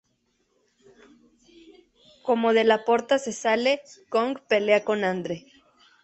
Como De La Porta se sale, Kong pelea con Andre.